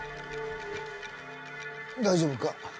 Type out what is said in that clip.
大丈夫か？